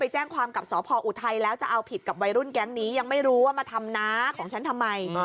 จะเอาผิดกับวัยรุ่นแก๊งนี้ยังไม่รู้ว่ามาทำนะของฉันทำไม